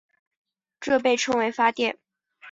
这被称为发电。